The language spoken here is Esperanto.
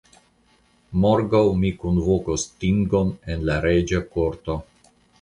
Morgaŭ mi kunvokos tingon en la reĝa korto.